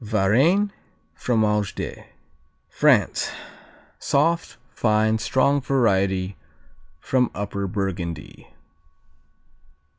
Varennes, Fromage de France Soft, fine, strong variety from Upper Burgundy.